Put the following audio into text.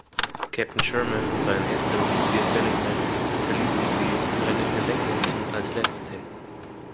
Captain Sherman und sein erster Offizier Seligman verließen die brennende "Lexington" als Letzte.